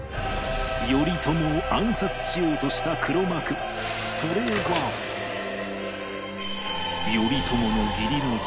頼朝を暗殺しようとした黒幕それはかもしれない